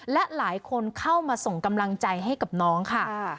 และหลายคนเข้ามาส่งกำลังใจให้กับน้องค่ะ